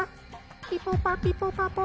ピポパピポパポ。